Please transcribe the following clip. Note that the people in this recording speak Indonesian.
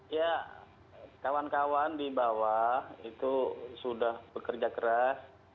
ya kawan kawan di bawah itu sudah bekerja keras